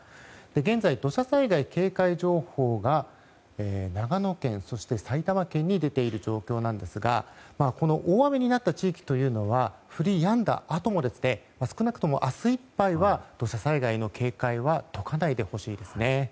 現在、土砂災害警戒情報が長野県そして埼玉県に出ている状況ですが大雨になった地域というのは降りやんだあとも少なくとも明日いっぱいは土砂災害の警戒は解かないでほしいですね。